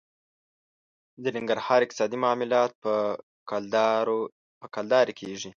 د ننګرهار اقتصادي معاملات په کلدارې کېږي.